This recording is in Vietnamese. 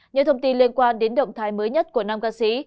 những thông tin liên quan đến động thái mới nhất của nam ca sĩ